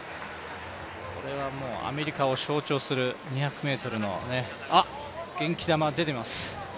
これはもうアメリカを象徴する２００ｍのあ、元気玉出てます。